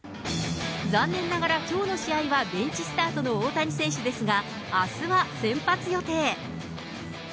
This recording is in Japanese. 残念ながらきょうの試合はベンチスタートの大谷選手ですが、あすは先発予定。